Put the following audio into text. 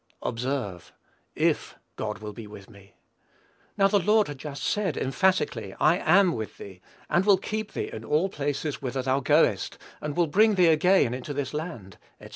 Observe, "if God will be with me." Now, the Lord had just said, emphatically, "I am with thee, and will keep thee in all places whither thou goest, and will bring thee again into this land," &c.